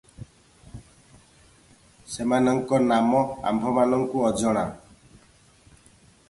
ସେମାନଙ୍କ ନାମ ଆମ୍ଭମାନଙ୍କୁ ଅଜଣା ।